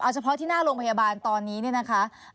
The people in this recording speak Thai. เฉพาะที่หน้าโรงพยาบาลตอนนี้เนี่ยนะคะ